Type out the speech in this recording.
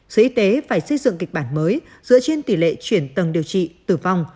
sở y tế phải xây dựng kịch bản mới dựa trên tỷ lệ chuyển tầng điều trị tử vong